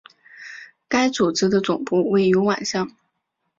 该组织的总部位于万象。